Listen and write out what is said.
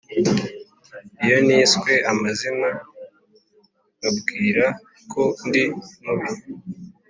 iyo niswe amazina nkambwira ko ndi mubi,